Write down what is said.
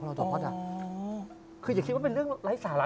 ไม่อยากคิดว่าเป็นเรื่องไร้สาระ